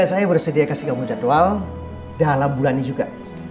saya bersedia kasih gabung jadwal dalam bulan ini juga